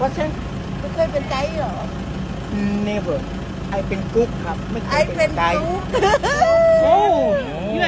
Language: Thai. เจอคนจริงนะเนี่ย